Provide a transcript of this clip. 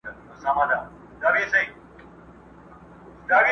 o ارزان بې علته نه دئ، گران بې حکمته نه دئ.